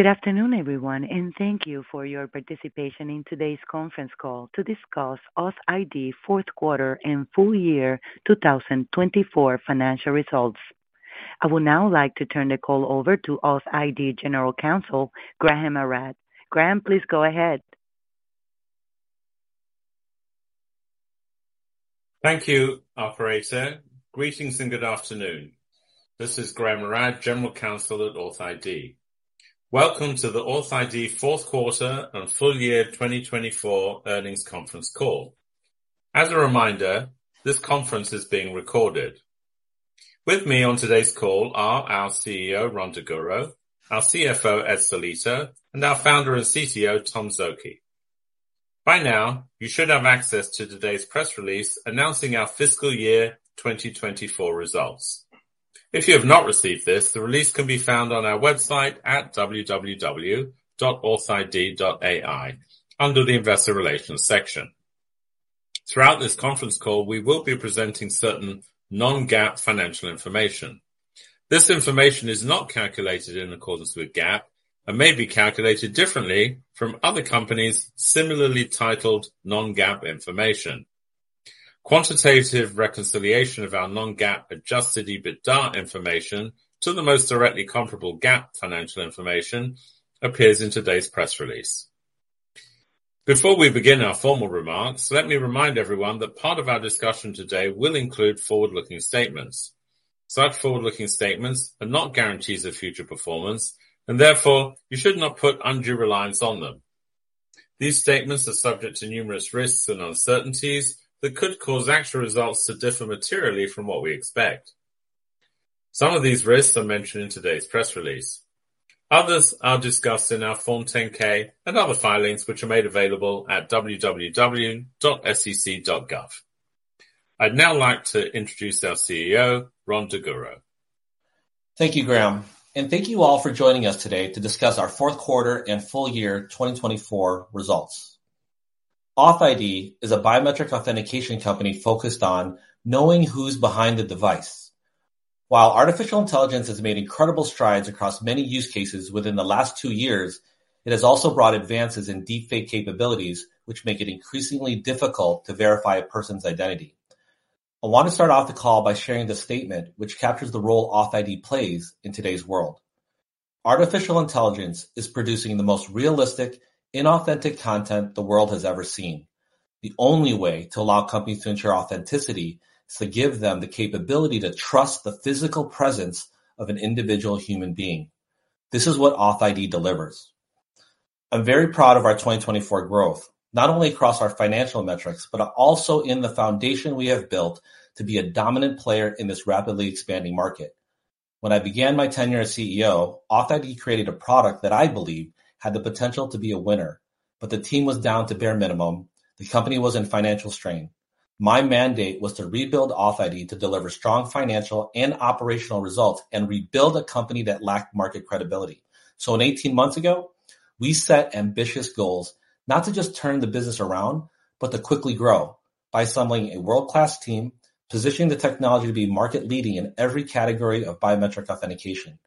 Good afternoon, everyone, and thank you for your participation in today's conference call to discuss authID Fourth Quarter and Full Year 2024 Financial Results. I would now like to turn the call over to authID General Counsel, Graham Arad. Graham, please go ahead. Thank you, authID. Greetings and good afternoon. This is Graham Arad, General Counsel at authID. Welcome to the authID Fourth Quarter and Full Year 2024 Earnings Conference call. As a reminder, this conference is being recorded. With me on today's call are our CEO, Rhon Daguro, our CFO, Ed Sellitto, and our founder and CTO, Tom Szoke. By now, you should have access to today's press release announcing our fiscal year 2024 results. If you have not received this, the release can be found on our website at www.authID.ai under the Investor Relations section. Throughout this conference call, we will be presenting certain non-GAAP financial information. This information is not calculated in accordance with GAAP and may be calculated differently from other companies' similarly titled non-GAAP information. Quantitative reconciliation of our Non-GAAP Adjusted EBITDA information to the most directly comparable GAAP financial information appears in today's press release. Before we begin our formal remarks, let me remind everyone that part of our discussion today will include forward-looking statements. Such forward-looking statements are not guarantees of future performance, and therefore you should not put undue reliance on them. These statements are subject to numerous risks and uncertainties that could cause actual results to differ materially from what we expect. Some of these risks are mentioned in today's press release. Others are discussed in our Form 10-K and other filings which are made available at www.sec.gov. I'd now like to introduce our CEO, Rhon Daguro. Thank you, Graham, and thank you all for joining us today to discuss our Q4 and Q2 2024 results. authID is a biometric authentication company focused on knowing who's behind the device. While artificial intelligence has made incredible strides across many use cases within the last two years, it has also brought advances in deepfake capabilities, which make it increasingly difficult to verify a person's identity. I want to start off the call by sharing the statement which captures the role authID plays in today's world. Artificial intelligence is producing the most realistic, inauthentic content the world has ever seen. The only way to allow companies to ensure authenticity is to give them the capability to trust the physical presence of an individual human being. This is what authID delivers. I'm very proud of our 2024 growth, not only across our financial metrics, but also in the foundation we have built to be a dominant player in this rapidly expanding market. When I began my tenure as CEO, authID created a product that I believe had the potential to be a winner, but the team was down to bare minimum. The company was in financial strain. My mandate was to rebuild authID to deliver strong financial and operational results and rebuild a company that lacked market credibility. Eighteen months ago, we set ambitious goals not to just turn the business around, but to quickly grow by assembling a world-class team, positioning the technology to be market-leading in every category of biometric authentication.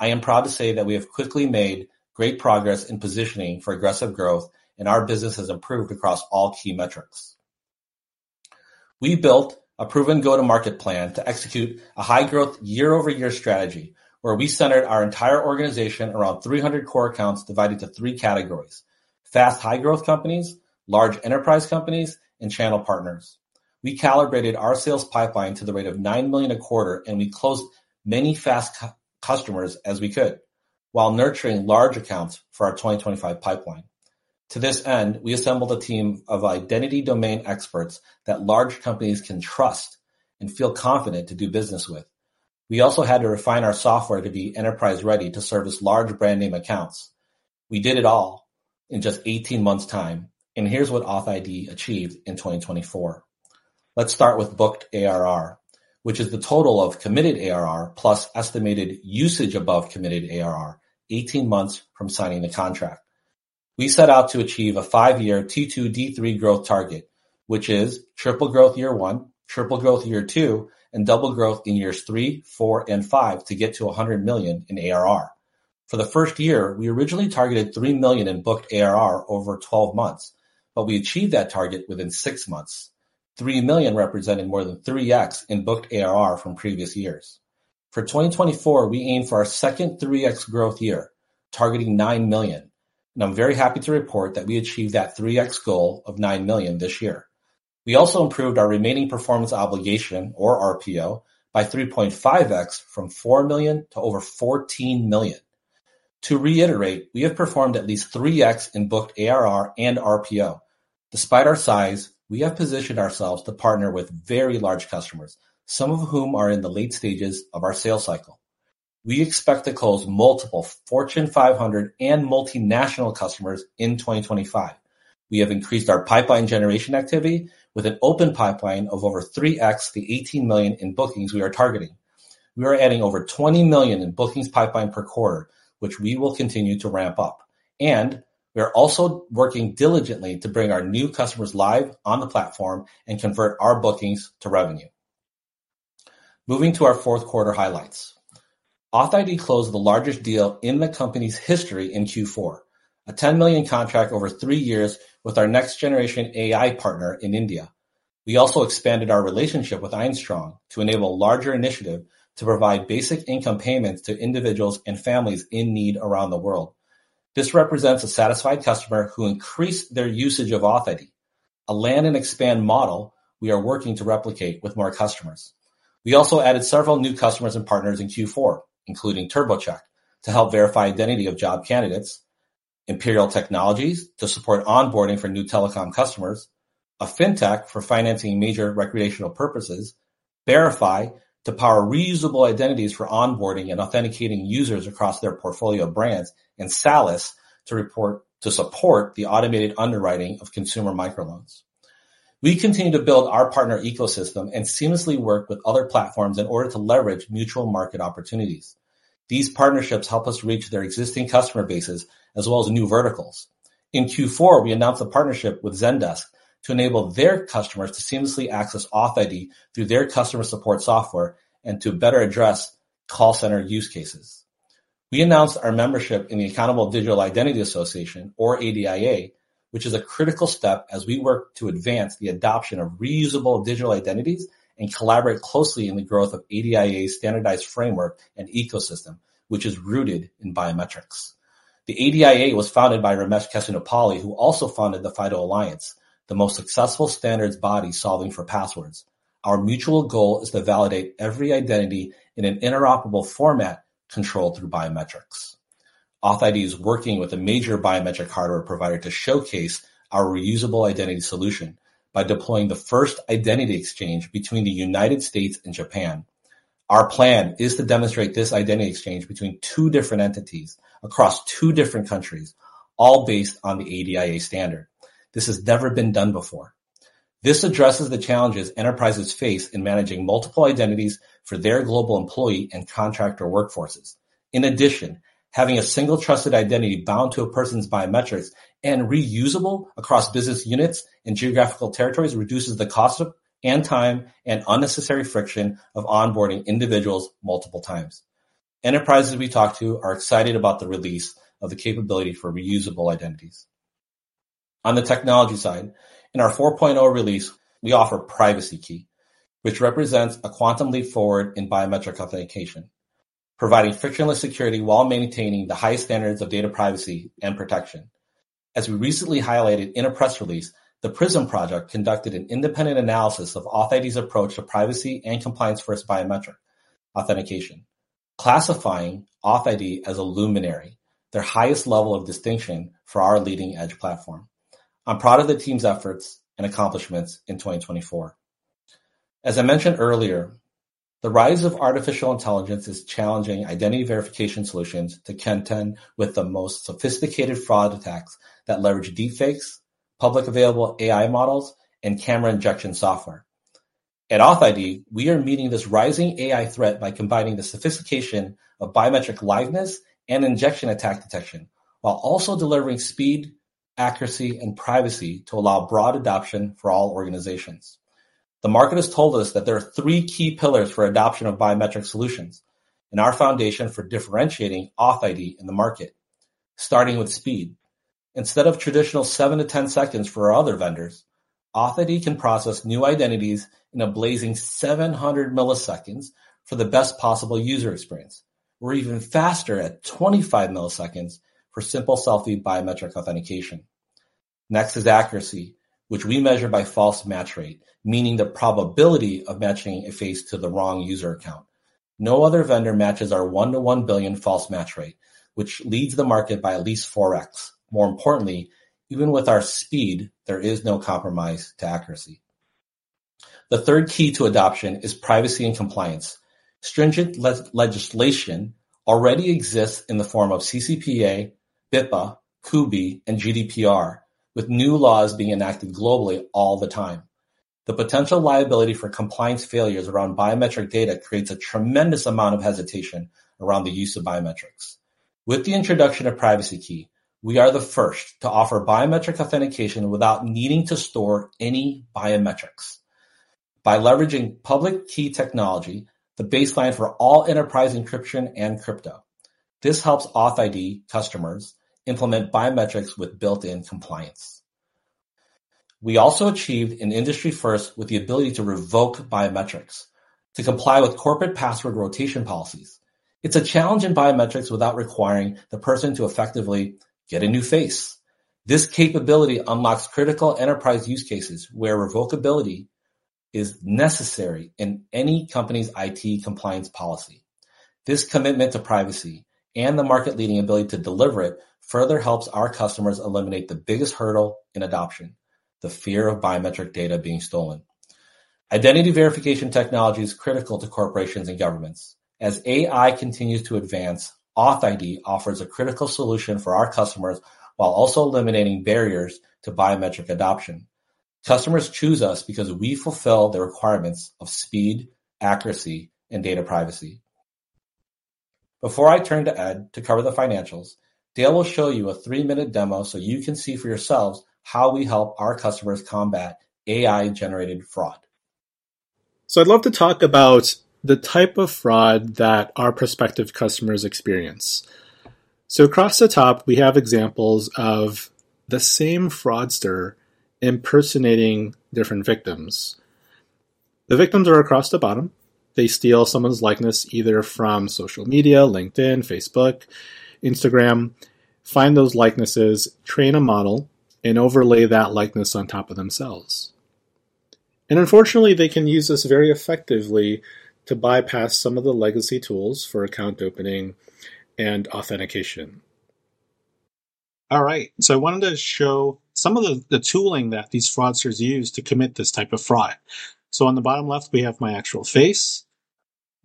I am proud to say that we have quickly made great progress in positioning for aggressive growth, and our business has improved across all key metrics. We built a proven go-to-market plan to execute a high-growth year-over-year strategy where we centered our entire organization around 300 core accounts divided into three categories: fast high-growth companies, large enterprise companies, and channel partners. We calibrated our sales pipeline to the rate of $9 million a quarter, and we closed as many fast customers as we could while nurturing large accounts for our 2025 pipeline. To this end, we assembled a team of identity domain experts that large companies can trust and feel confident to do business with. We also had to refine our software to be enterprise-ready to service large brand-name accounts. We did it all in just 18 months' time, and here's what authID achieved in 2024. Let's start with booked ARR, which is the total of committed ARR plus estimated usage above committed ARR, 18 months from signing the contract. We set out to achieve a five-year T2D3 growth target, which is triple growth year one, triple growth year two, and double growth in years three, four, and five to get to $100 million in ARR. For the first year, we originally targeted $3 million in booked ARR over 12 months, but we achieved that target within six months, $3 million representing more than 3x in booked ARR from previous years. For 2024, we aim for our second 3x growth year, targeting $9 million, and I'm very happy to report that we achieved that 3x goal of $9 million this year. We also improved our remaining performance obligation, or RPO, by 3.5x from $4 million to over $14 million. To reiterate, we have performed at least 3x in booked ARR and RPO. Despite our size, we have positioned ourselves to partner with very large customers, some of whom are in the late stages of our sales cycle. We expect to close multiple Fortune 500 and multinational customers in 2025. We have increased our pipeline generation activity with an open pipeline of over 3x the $18 million in bookings we are targeting. We are adding over $20 million in bookings pipeline per quarter, which we will continue to ramp up. We are also working diligently to bring our new customers live on the platform and convert our bookings to revenue. Moving to our Q4 highlights, authID closed the largest deal in the company's history in Q4, a $10 million contract over three years with our next-generation AI partner in India. We also expanded our relationship with EinStrong to enable a larger initiative to provide basic income payments to individuals and families in need around the world. This represents a satisfied customer who increased their usage of authID, a land-and-expand model we are working to replicate with more customers. We also added several new customers and partners in Q4, including TurboCheck to help verify identity of job candidates, Imperial Technologies to support onboarding for new telecom customers, a fintech for financing major recreational purposes, Verified to power reusable identities for onboarding and authenticating users across their portfolio of brands, and Salus to support the automated underwriting of consumer microloans. We continue to build our partner ecosystem and seamlessly work with other platforms in order to leverage mutual market opportunities. These partnerships help us reach their existing customer bases as well as new verticals. In Q4, we announced a partnership with Zendesk to enable their customers to seamlessly access authID through their customer support software and to better address call center use cases. We announced our membership in the Accountable Digital Identity Association, or ADIA, which is a critical step as we work to advance the adoption of reusable digital identities and collaborate closely in the growth of ADIA's standardized framework and ecosystem, which is rooted in biometrics. The ADIA was founded by Ramesh Kesanupalli, who also founded the FIDO Alliance, the most successful standards body solving for passwords. Our mutual goal is to validate every identity in an interoperable format controlled through biometrics. authID is working with a major biometric hardware provider to showcase our reusable identity solution by deploying the first identity exchange between the United States and Japan. Our plan is to demonstrate this identity exchange between two different entities across two different countries, all based on the ADIA standard. This has never been done before. This addresses the challenges enterprises face in managing multiple identities for their global employee and contractor workforces. In addition, having a single trusted identity bound to a person's biometrics and reusable across business units and geographical territories reduces the cost and time and unnecessary friction of onboarding individuals multiple times. Enterprises we talked to are excited about the release of the capability for reusable identities. On the technology side, in our 4.0 release, we offer PrivacyKey, which represents a quantum leap forward in biometric authentication, providing frictionless security while maintaining the highest standards of data privacy and protection. As we recently highlighted in a press release, the Prism project conducted an independent analysis of authID's approach to privacy and compliance-first biometric authentication, classifying authID as a luminary, their highest level of distinction for our leading-edge platform. I'm proud of the team's efforts and accomplishments in 2024. As I mentioned earlier, the rise of artificial intelligence is challenging identity verification solutions to contend with the most sophisticated fraud attacks that leverage deepfakes, publicly available AI models, and camera injection software. At authID, we are meeting this rising AI threat by combining the sophistication of biometric liveness and injection attack detection while also delivering speed, accuracy, and privacy to allow broad adoption for all organizations. The market has told us that there are three key pillars for adoption of biometric solutions in our foundation for differentiating authID in the market, starting with speed. Instead of traditional 7-10 seconds for our other vendors, authID can process new identities in a blazing 700 milliseconds for the best possible user experience. We're even faster at 25 milliseconds for simple selfie biometric authentication. Next is accuracy, which we measure by false match rate, meaning the probability of matching a face to the wrong user account. No other vendor matches our 1 to 1 billion false match rate, which leads the market by at least 4x. More importantly, even with our speed, there is no compromise to accuracy. The third key to adoption is privacy and compliance. Stringent legislation already exists in the form of CCPA, BIPA, CUBI, and GDPR, with new laws being enacted globally all the time. The potential liability for compliance failures around biometric data creates a tremendous amount of hesitation around the use of biometrics. With the introduction of PrivacyKey, we are the first to offer biometric authentication without needing to store any biometrics by leveraging public key technology, the baseline for all enterprise encryption and crypto. This helps authID customers implement biometrics with built-in compliance. We also achieved an industry first with the ability to revoke biometrics to comply with corporate password rotation policies. It's a challenge in biometrics without requiring the person to effectively get a new face. This capability unlocks critical enterprise use cases where revocability is necessary in any company's IT compliance policy. This commitment to privacy and the market-leading ability to deliver it further helps our customers eliminate the biggest hurdle in adoption: the fear of biometric data being stolen. Identity verification technology is critical to corporations and governments. As AI continues to advance, authID offers a critical solution for our customers while also eliminating barriers to biometric adoption. Customers choose us because we fulfill the requirements of speed, accuracy, and data privacy. Before I turn to Ed to cover the financials, Dale will show you a three-minute demo so you can see for yourselves how we help our customers combat AI-generated fraud. I'd love to talk about the type of fraud that our prospective customers experience. Across the top, we have examples of the same fraudster impersonating different victims. The victims are across the bottom. They steal someone's likeness either from social media, LinkedIn, Facebook, Instagram, find those likenesses, train a model, and overlay that likeness on top of themselves. Unfortunately, they can use this very effectively to bypass some of the legacy tools for account opening and authentication. I wanted to show some of the tooling that these fraudsters use to commit this type of fraud. On the bottom left, we have my actual face.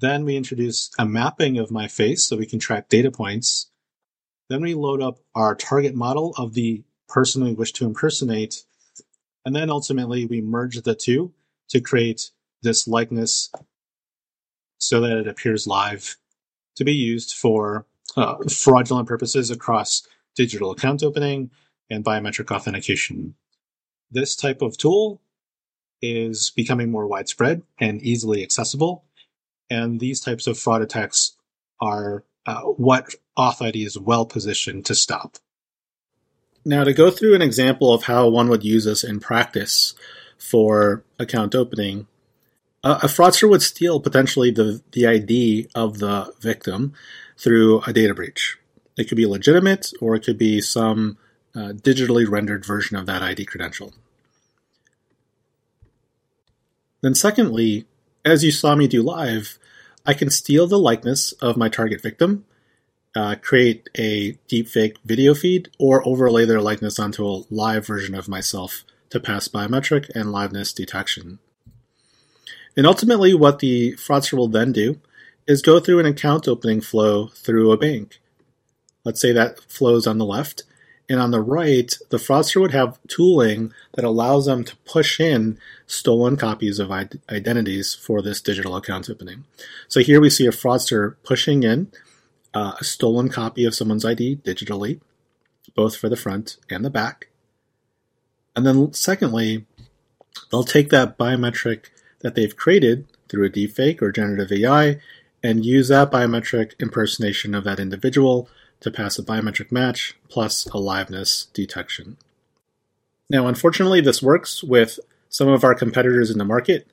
Then we introduce a mapping of my face so we can track data points. We load up our target model of the person we wish to impersonate. Ultimately, we merge the two to create this likeness so that it appears live to be used for fraudulent purposes across digital account opening and biometric authentication. This type of tool is becoming more widespread and easily accessible. These types of fraud attacks are what authID is well-positioned to stop. Now, to go through an example of how one would use this in practice for account opening, a fraudster would steal potentially the ID of the victim through a data breach. It could be legitimate, or it could be some digitally rendered version of that ID credential. Secondly, as you saw me do live, I can steal the likeness of my target victim, create a deepfake video feed, or overlay their likeness onto a live version of myself to pass biometric and liveness detection. Ultimately, what the fraudster will then do is go through an account opening flow through a bank. Let's say that flow is on the left. On the right, the fraudster would have tooling that allows them to push in stolen copies of identities for this digital account opening. Here we see a fraudster pushing in a stolen copy of someone's ID digitally, both for the front and the back. Secondly, they'll take that biometric that they've created through a deepfake or generative AI and use that biometric impersonation of that individual to pass a biometric match plus a liveness detection. Unfortunately, this works with some of our competitors in the market.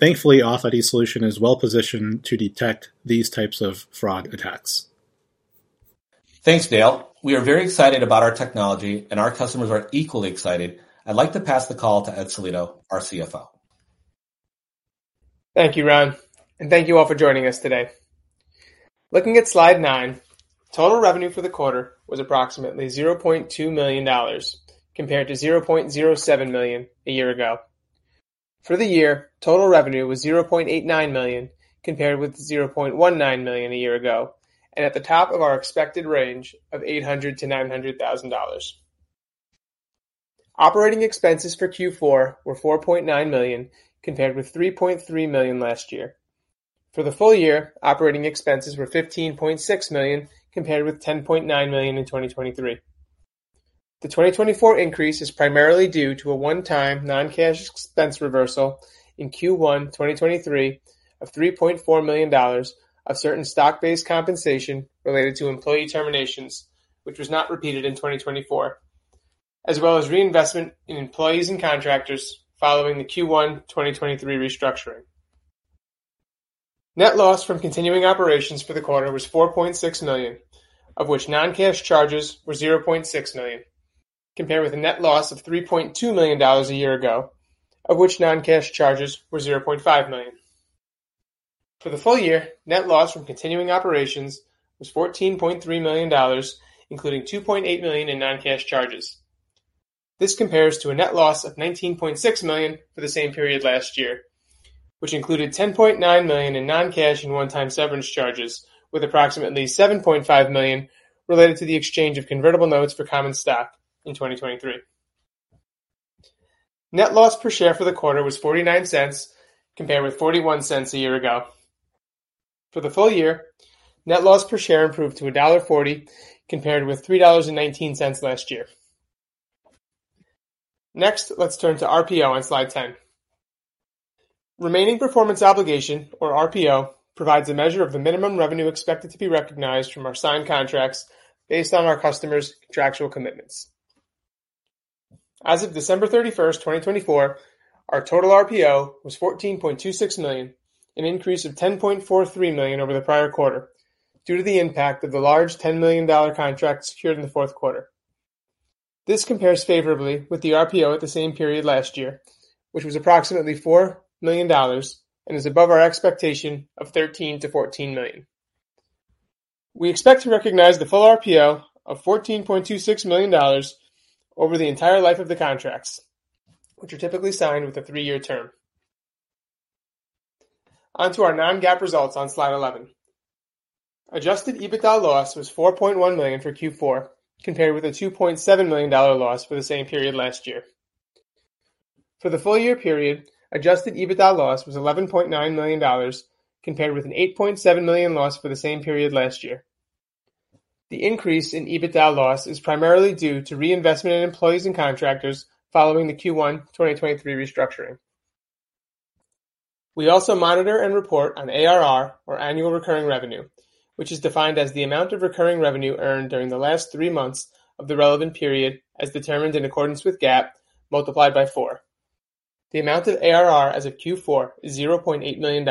Thankfully, authID's solution is well-positioned to detect these types of fraud attacks. Thanks, Dale. We are very excited about our technology, and our customers are equally excited. I'd like to pass the call to Ed Sellitto, our CFO. Thank you, Rhon. Thank you all for joining us today. Looking at slide nine, total revenue for the quarter was approximately $0.2 million compared to $0.07 million a year ago. For the year, total revenue was $0.89 million compared with $0.19 million a year ago, and at the top of our expected range of $800,000-$900,000. Operating expenses for Q4 were $4.9 million compared with $3.3 million last year. For the full year, operating expenses were $15.6 million compared with $10.9 million in 2023. The 2024 increase is primarily due to a one-time non-cash expense reversal in Q1 2023 of $3.4 million of certain stock-based compensation related to employee terminations, which was not repeated in 2024, as well as reinvestment in employees and contractors following the Q1 2023 restructuring. Net loss from continuing operations for the quarter was $4.6 million, of which non-cash charges were $0.6 million, compared with a net loss of $3.2 million a year ago, of which non-cash charges were $0.5 million. For the full year, net loss from continuing operations was $14.3 million, including $2.8 million in non-cash charges. This compares to a net loss of $19.6 million for the same period last year, which included $10.9 million in non-cash and one-time severance charges, with approximately $7.5 million related to the exchange of convertible notes for common stock in 2023. Net loss per share for the quarter was $0.49, compared with $0.41 a year ago. For the full year, net loss per share improved to $1.40, compared with $3.19 last year. Next, let's turn to RPO on slide 10. Remaining performance obligation, or RPO, provides a measure of the minimum revenue expected to be recognized from our signed contracts based on our customers' contractual commitments. As of December 31st, 2024, our total RPO was $14.26 million, an increase of $10.43 million over the prior quarter due to the impact of the large $10 million contract secured in the fourth quarter. This compares favorably with the RPO at the same period last year, which was approximately $4 million and is above our expectation of $13 million-$14 million. We expect to recognize the full RPO of $14.26 million over the entire life of the contracts, which are typically signed with a three-year term. Onto our non-GAAP results on slide 11. Adjusted EBITDA loss was $4.1 million for Q4, compared with a $2.7 million loss for the same period last year. For the full year period, Adjusted EBITDA loss was $11.9 million, compared with an $8.7 million loss for the same period last year. The increase in EBITDA loss is primarily due to reinvestment in employees and contractors following the Q1 2023 restructuring. We also monitor and report on ARR, or annual recurring revenue, which is defined as the amount of recurring revenue earned during the last three months of the relevant period as determined in accordance with GAAP multiplied by four. The amount of ARR as of Q4 is $0.8 million,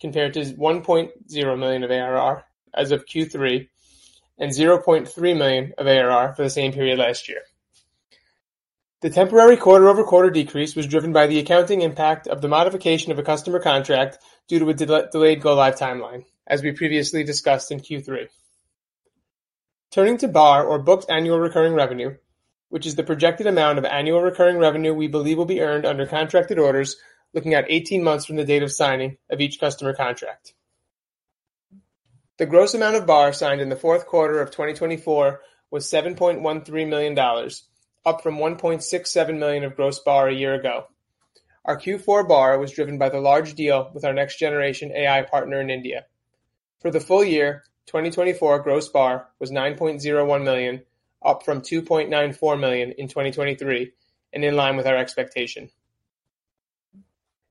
compared to $1.0 million of ARR as of Q3 and $0.3 million of ARR for the same period last year. The temporary quarter-over-quarter decrease was driven by the accounting impact of the modification of a customer contract due to a delayed go-live timeline, as we previously discussed in Q3. Turning to bARR, or booked annual recurring revenue, which is the projected amount of annual recurring revenue we believe will be earned under contracted orders looking at 18 months from the date of signing of each customer contract. The gross amount of bARR signed in the fourth quarter of 2024 was $7.13 million, up from $1.67 million of gross bARR a year ago. Our Q4 bARR was driven by the large deal with our next-generation AI partner in India. For the full year, 2024 gross bARR was $9.01 million, up from $2.94 million in 2023, and in line with our expectation.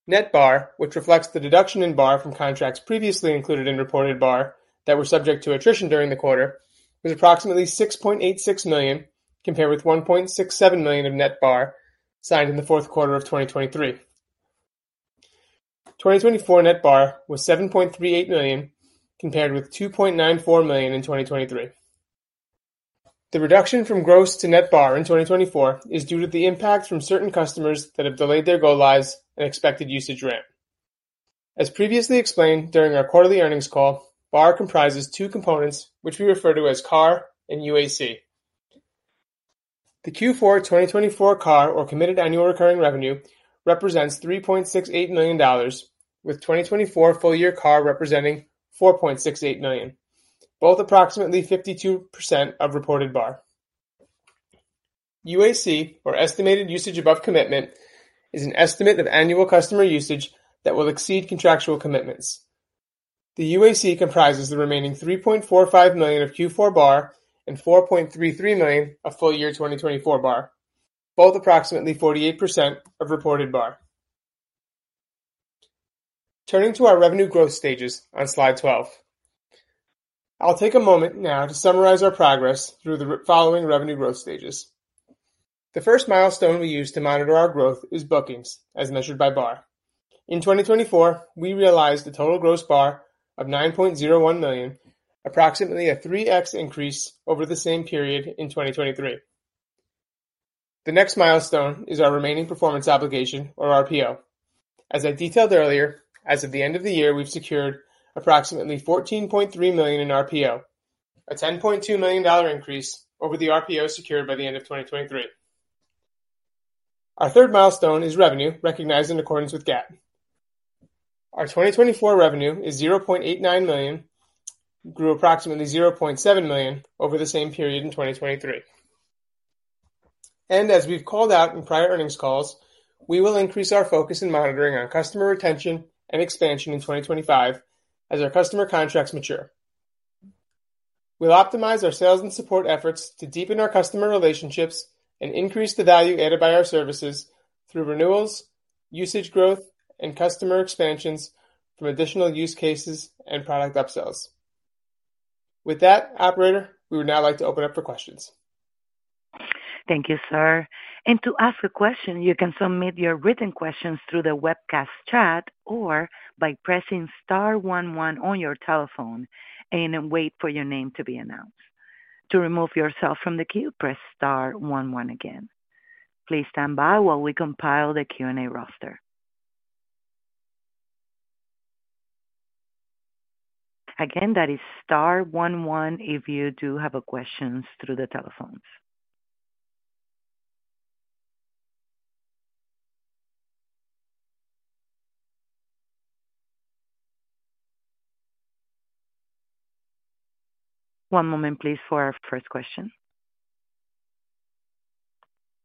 Net bARR, which reflects the deduction in bARR from contracts previously included in reported bARR that were subject to attrition during the quarter, was approximately $6.86 million, compared with $1.67 million of net bARR signed in the fourth quarter of 2023. 2024 net bARR was $7.38 million, compared with $2.94 million in 2023. The reduction from gross to net bARR in 2024 is due to the impact from certain customers that have delayed their go-lives and expected usage ramp. As previously explained during our quarterly earnings call, bARR comprises two components, which we refer to as CAR and UAC. The Q4 2024 CAR, or committed annual recurring revenue, represents $3.68 million, with 2024 full year CAR representing $4.68 million, both approximately 52% of reported bARR. UAC, or estimated usage above commitment, is an estimate of annual customer usage that will exceed contractual commitments. The UAC comprises the remaining $3.45 million of Q4 bARR and $4.33 million of full year 2024 bARR, both approximately 48% of reported bARR. Turning to our revenue growth stages on slide 12, I'll take a moment now to summarize our progress through the following revenue growth stages. The first milestone we use to monitor our growth is bookings, as measured by bARR. In 2024, we realized a total gross bARR of $9.01 million, approximately a 3x increase over the same period in 2023. The next milestone is our remaining performance obligation, or RPO. As I detailed earlier, as of the end of the year, we've secured approximately $14.3 million in RPO, a $10.2 million increase over the RPO secured by the end of 2023. Our third milestone is revenue recognized in accordance with GAAP. Our 2024 revenue is $0.89 million, grew approximately $0.7 million over the same period in 2023. As we've called out in prior earnings calls, we will increase our focus in monitoring our customer retention and expansion in 2025 as our customer contracts mature. We'll optimize our sales and support efforts to deepen our customer relationships and increase the value added by our services through renewals, usage growth, and customer expansions from additional use cases and product upsells. With that, operator, we would now like to open up for questions. Thank you, sir. To ask a question, you can submit your written questions through the webcast chat or by pressing star one one on your telephone and wait for your name to be announced. To remove yourself from the queue, press star one one again. Please stand by while we compile the Q&A roster. Again, that is star one one if you do have questions through the telephones. One moment, please, for our first question.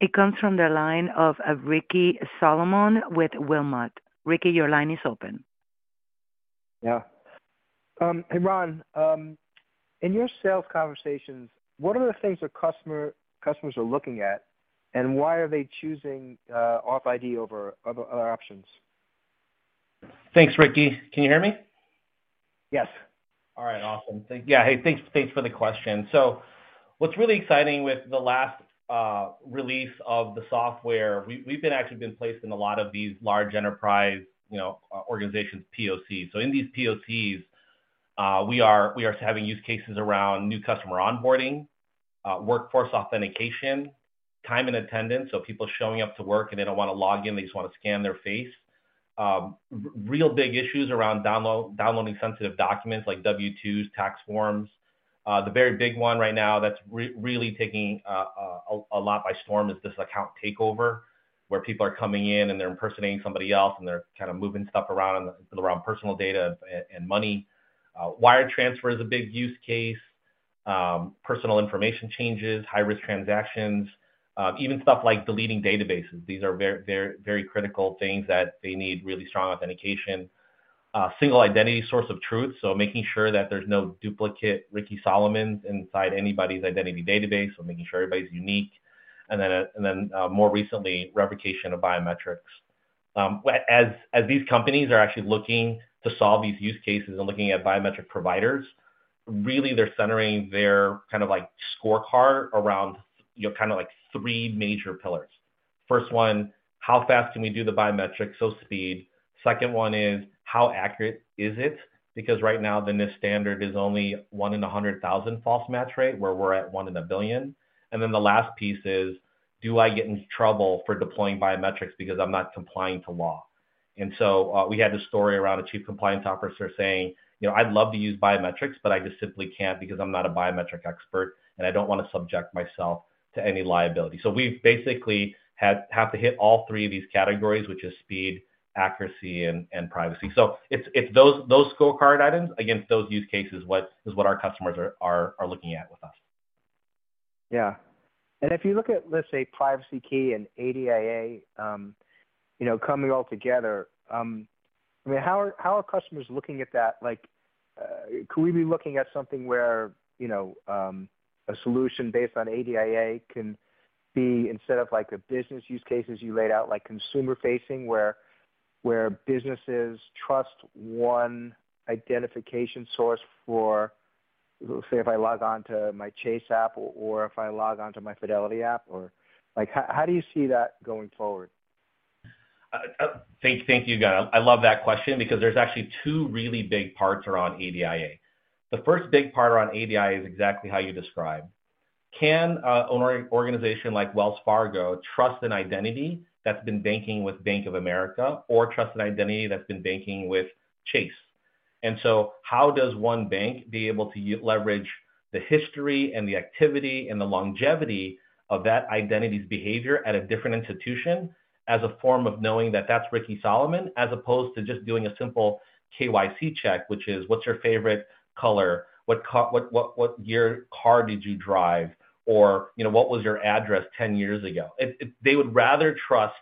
It comes from the line of Ricky Solomon with Wilmot. Ricky, your line is open. Yeah. Hey, Rhon. In your sales conversations, what are the things that customers are looking at, and why are they choosing authID over other options? Thanks, Ricky. Can you hear me? Yes. All right. Awesome. Yeah. Hey, thanks for the question. What's really exciting with the last release of the software, we've actually been placed in a lot of these large enterprise organizations' POCs. In these POCs, we are having use cases around new customer onboarding, workforce authentication, time and attendance, so people showing up to work and they don't want to log in, they just want to scan their face. Real big issues around downloading sensitive documents like W-2s, tax forms. The very big one right now that's really taking a lot by storm is this account takeover where people are coming in and they're impersonating somebody else and they're kind of moving stuff around around personal data and money. Wire transfer is a big use case. Personal information changes, high-risk transactions, even stuff like deleting databases. These are very critical things that they need really strong authentication. Single identity source of truth, so making sure that there's no duplicate Ricky Solomon inside anybody's identity database, so making sure everybody's unique. More recently, revocation of biometrics. As these companies are actually looking to solve these use cases and looking at biometric providers, really they're centering their kind of scorecard around three major pillars. First one, how fast can we do the biometrics? Speed. Second one is how accurate is it? Because right now the NIST standard is only one in 100,000 false match rate, where we're at one in a billion. The last piece is, do I get in trouble for deploying biometrics because I'm not complying to law? We had this story around a chief compliance officer saying, "I'd love to use biometrics, but I just simply can't because I'm not a biometric expert, and I don't want to subject myself to any liability." We basically had to hit all three of these categories, which are speed, accuracy, and privacy. It's those scorecard items, against those use cases, is what our customers are looking at with us. Yeah. If you look at, let's say, PrivacyKey and ADIA coming all together, I mean, how are customers looking at that? Could we be looking at something where a solution based on ADIA can be, instead of the business use cases you laid out, like consumer-facing, where businesses trust one identification source for, say, if I log on to my Chase app or if I log on to my Fidelity app? How do you see that going forward? Thank you, guys. I love that question because there's actually two really big parts around ADIA. The first big part around ADIA is exactly how you described. Can an organization like Wells Fargo trust an identity that's been banking with Bank of America or trust an identity that's been banking with Chase? How does one bank be able to leverage the history and the activity and the longevity of that identity's behavior at a different institution as a form of knowing that that's Ricky Solomon, as opposed to just doing a simple KYC check, which is, what's your favorite color? What year car did you drive? Or what was your address 10 years ago? They would rather trust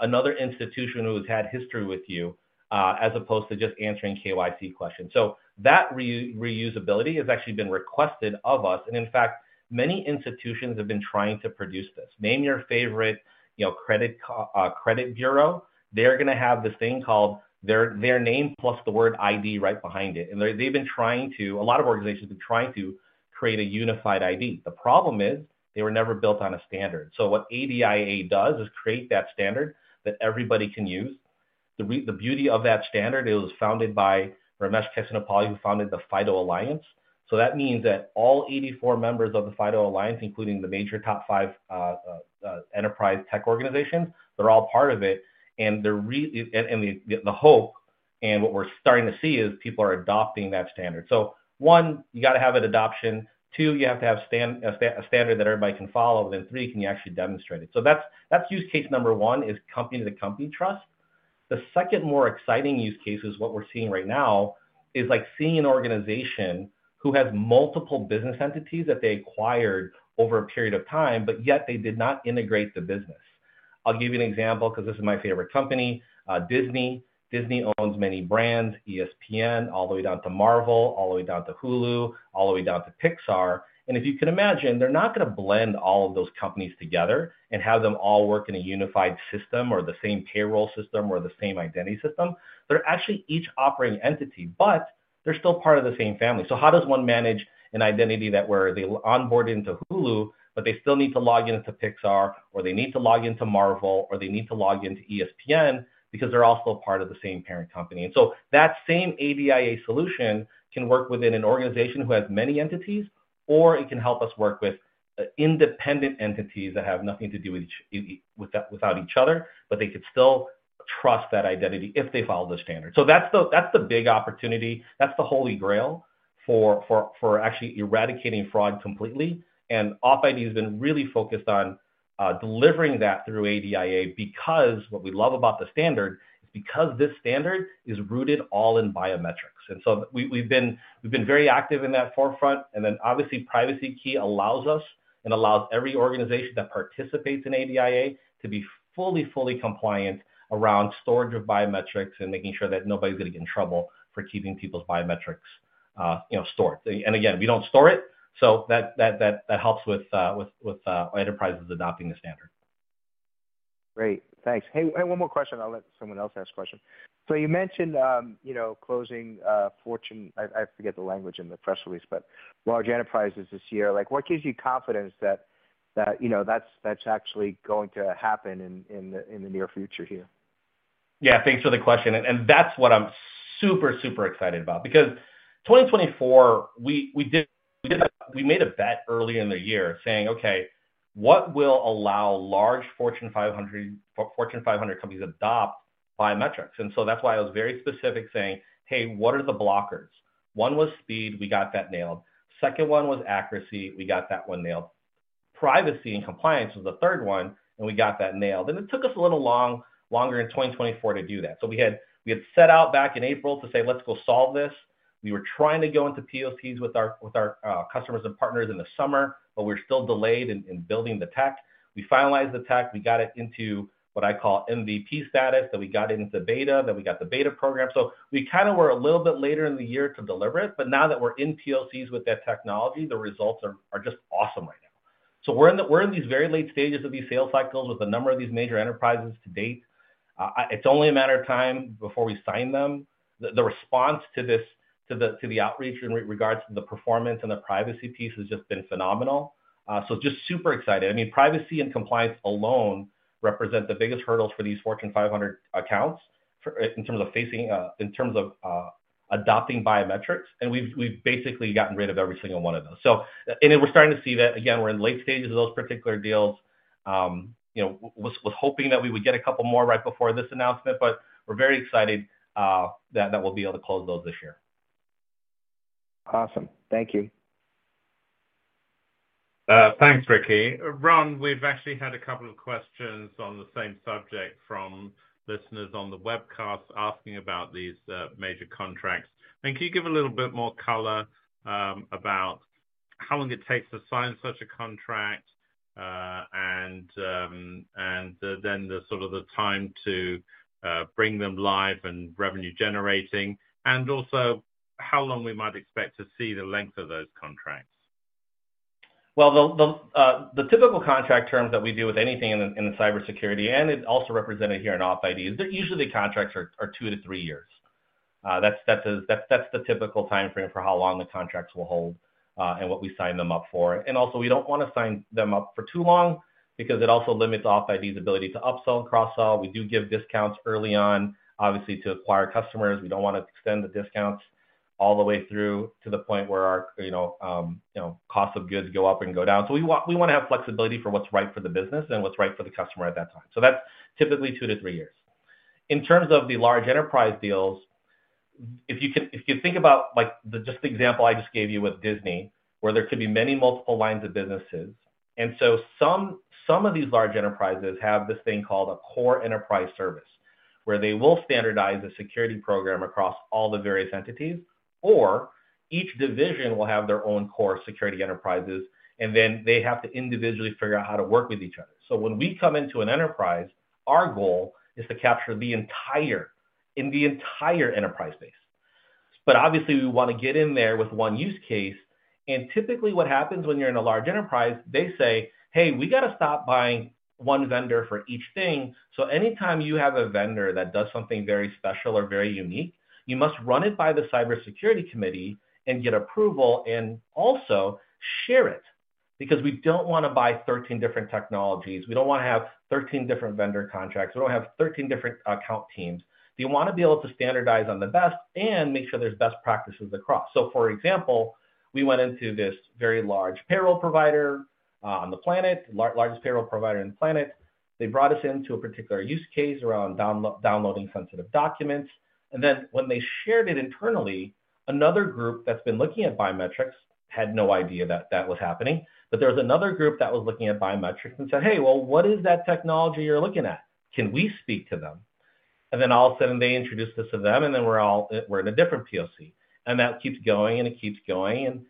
another institution who has had history with you as opposed to just answering KYC questions. That reusability has actually been requested of us. In fact, many institutions have been trying to produce this. Name your favorite credit bureau. They're going to have this thing called their name plus the word ID right behind it. They've been trying to, a lot of organizations have been trying to create a unified ID. The problem is they were never built on a standard. What ADIA does is create that standard that everybody can use. The beauty of that standard is it was founded by Ramesh Kesanupalli, who founded the FIDO Alliance. That means that all 84 members of the FIDO Alliance, including the major top five enterprise tech organizations, are all part of it. The hope and what we're starting to see is people are adopting that standard. One, you have to have an adoption. Two, you have to have a standard that everybody can follow. Three, can you actually demonstrate it? Use case number one is company-to-company trust. The second more exciting use case is what we are seeing right now, seeing an organization who has multiple business entities that they acquired over a period of time, but yet they did not integrate the business. I will give you an example because this is my favorite company. Disney. Disney owns many brands, ESPN, all the way down to Marvel, all the way down to Hulu, all the way down to Pixar. If you can imagine, they are not going to blend all of those companies together and have them all work in a unified system or the same payroll system or the same identity system. They are actually each operating entity, but they are still part of the same family. How does one manage an identity where they onboard into Hulu, but they still need to log into Pixar, or they need to log into Marvel, or they need to log into ESPN because they're all still part of the same parent company? That same ADIA solution can work within an organization who has many entities, or it can help us work with independent entities that have nothing to do with each other, but they could still trust that identity if they follow the standard. That's the big opportunity. That's the holy grail for actually eradicating fraud completely. authID has been really focused on delivering that through ADIA because what we love about the standard is this standard is rooted all in biometrics. We have been very active in that forefront. Obviously, PrivacyKey allows us and allows every organization that participates in ADIA to be fully, fully compliant around storage of biometrics and making sure that nobody's going to get in trouble for keeping people's biometrics stored. Again, we don't store it. That helps with enterprises adopting the standard. Great. Thanks. Hey, one more question. I'll let someone else ask a question. You mentioned closing Fortune—I forget the language in the press release—but large enterprises this year. What gives you confidence that that's actually going to happen in the near future here? Yeah. Thanks for the question. That is what I'm super, super excited about because 2024, we made a bet early in the year saying, "Okay, what will allow large Fortune 500 companies to adopt biometrics?" That is why I was very specific saying, "Hey, what are the blockers?" One was speed. We got that nailed. Second one was accuracy. We got that one nailed. Privacy and compliance was the third one, and we got that nailed. It took us a little longer in 2024 to do that. We had set out back in April to say, "Let's go solve this." We were trying to go into POCs with our customers and partners in the summer, but we were still delayed in building the tech. We finalized the tech. We got it into what I call MVP status. We got it into beta. We got the beta program. We kind of were a little bit later in the year to deliver it. Now that we're in POCs with that technology, the results are just awesome right now. We're in these very late stages of these sales cycles with a number of these major enterprises to date. It's only a matter of time before we sign them. The response to the outreach in regards to the performance and the privacy piece has just been phenomenal. Just super excited. I mean, privacy and compliance alone represent the biggest hurdles for these Fortune 500 accounts in terms of adopting biometrics. We've basically gotten rid of every single one of those. We're starting to see that, again, we're in late stages of those particular deals. Was hoping that we would get a couple more right before this announcement, but we're very excited that we'll be able to close those this year. Awesome. Thank you. Thanks, Ricky. Rhon, we've actually had a couple of questions on the same subject from listeners on the webcast asking about these major contracts. Can you give a little bit more color about how long it takes to sign such a contract and then sort of the time to bring them live and revenue-generating? Also, how long we might expect to see the length of those contracts? The typical contract terms that we do with anything in the cybersecurity, and it's also represented here in authID, is that usually the contracts are two to three years. That's the typical timeframe for how long the contracts will hold and what we sign them up for. We don't want to sign them up for too long because it also limits authID's ability to upsell and cross-sell. We do give discounts early on, obviously, to acquire customers. We don't want to extend the discounts all the way through to the point where our cost of goods go up and go down. We want to have flexibility for what's right for the business and what's right for the customer at that time. That's typically two to three years. In terms of the large enterprise deals, if you think about just the example I just gave you with Disney, where there could be many multiple lines of businesses. Some of these large enterprises have this thing called a core enterprise service, where they will standardize a security program across all the various entities, or each division will have their own core security enterprises, and then they have to individually figure out how to work with each other. When we come into an enterprise, our goal is to capture the entire enterprise base. Obviously, we want to get in there with one use case. Typically, what happens when you're in a large enterprise, they say, "Hey, we got to stop buying one vendor for each thing." Anytime you have a vendor that does something very special or very unique, you must run it by the cybersecurity committee and get approval and also share it because we don't want to buy 13 different technologies. We don't want to have 13 different vendor contracts. We don't have 13 different account teams. We want to be able to standardize on the best and make sure there's best practices across. For example, we went into this very large payroll provider on the planet, largest payroll provider on the planet. They brought us into a particular use case around downloading sensitive documents. When they shared it internally, another group that's been looking at biometrics had no idea that that was happening. There was another group that was looking at biometrics and said, "Hey, well, what is that technology you're looking at? Can we speak to them?" All of a sudden, they introduced us to them, and then we're in a different POC. That keeps going, and it keeps going.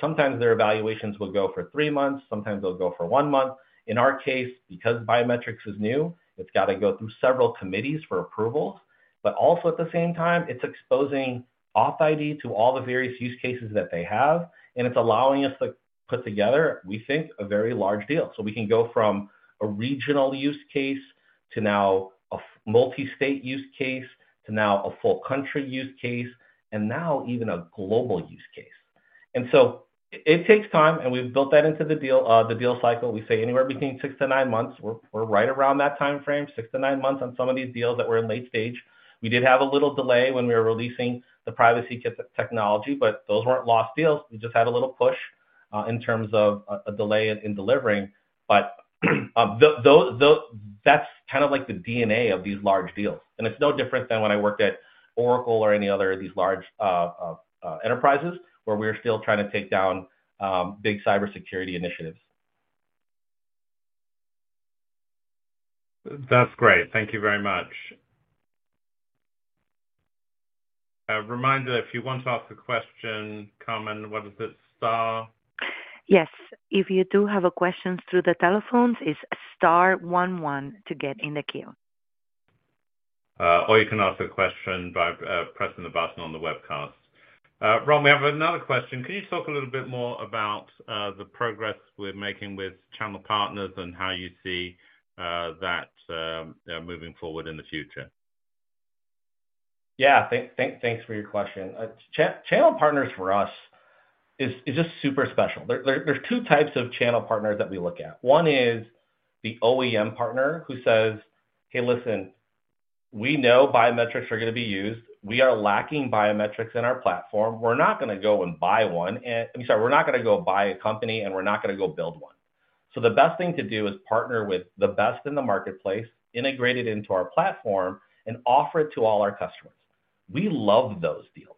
Sometimes their evaluations will go for three months. Sometimes they'll go for one month. In our case, because biometrics is new, it's got to go through several committees for approvals. Also at the same time, it's exposing authID to all the various use cases that they have, and it's allowing us to put together, we think, a very large deal. We can go from a regional use case to now a multi-state use case to now a full country use case, and now even a global use case. It takes time, and we've built that into the deal cycle. We say anywhere between six to nine months. We're right around that timeframe, six to nine months on some of these deals that were in late stage. We did have a little delay when we were releasing the privacy technology, but those were not lost deals. We just had a little push in terms of a delay in delivering. That is kind of like the DNA of these large deals. It is no different than when I worked at Oracle or any other of these large enterprises where we're still trying to take down big cybersecurity initiatives. That's great. Thank you very much. A reminder, if you want to ask a question, comment, what is it? Yes. If you do have a question through the telephones, it's star one one to get in the queue. Or you can ask a question by pressing the button on the webcast. Rhon, we have another question. Can you talk a little bit more about the progress we're making with channel partners and how you see that moving forward in the future? Yeah. Thanks for your question. Channel partners for us is just super special. There's two types of channel partners that we look at. One is the OEM partner who says, "Hey, listen, we know biometrics are going to be used. We are lacking biometrics in our platform. We're not going to go and buy one." I'm sorry, "We're not going to go buy a company, and we're not going to go build one." The best thing to do is partner with the best in the marketplace, integrate it into our platform, and offer it to all our customers. We love those deals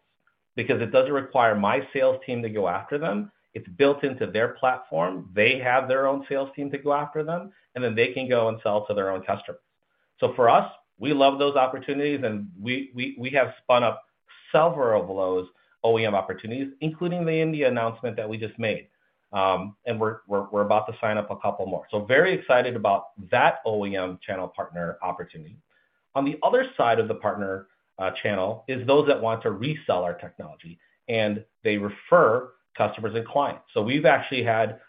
because it doesn't require my sales team to go after them. It's built into their platform. They have their own sales team to go after them, and then they can go and sell to their own customers. For us, we love those opportunities, and we have spun up several of those OEM opportunities, including the India announcement that we just made. We are about to sign up a couple more. Very excited about that OEM channel partner opportunity. On the other side of the partner channel is those that want to resell our technology, and they refer customers and clients. We have actually had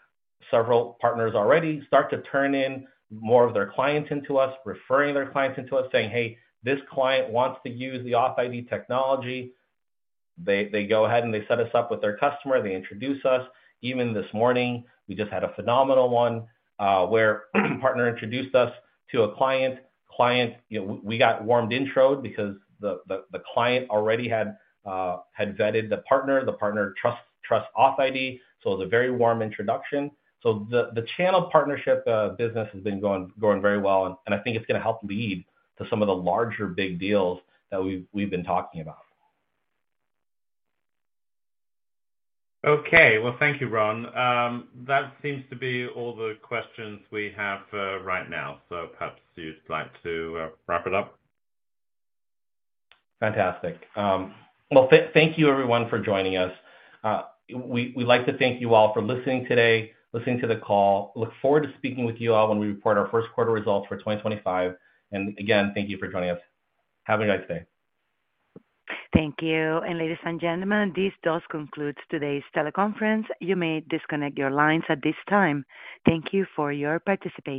several partners already start to turn in more of their clients into us, referring their clients into us, saying, "Hey, this client wants to use the authID technology." They go ahead and they set us up with their customer. They introduce us. Even this morning, we just had a phenomenal one where a partner introduced us to a client. We got warmed introed because the client already had vetted the partner. The partner trusts authID. It was a very warm introduction. The channel partnership business has been going very well, and I think it's going to help lead to some of the larger big deals that we've been talking about. Okay. Thank you, Rhon. That seems to be all the questions we have right now. Perhaps you'd like to wrap it up? Fantastic. Thank you, everyone, for joining us. We'd like to thank you all for listening today, listening to the call. Look forward to speaking with you all when we report our first quarter results for 2025. Again, thank you for joining us. Have a great day. Thank you. Ladies and gentlemen, this does conclude today's teleconference. You may disconnect your lines at this time. Thank you for your participation.